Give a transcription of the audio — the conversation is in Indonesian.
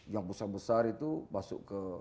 yang besar besar itu masuk ke